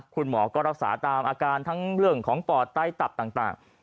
คุณหมอก็รักษาตามอาการทั้งเรื่องของปอดไต้ตับต่าง